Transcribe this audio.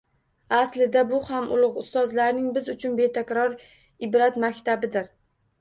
Aslida bu ham ulug` ustozlarning biz uchun betakror ibrat maktabidir